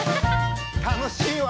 楽しいわ！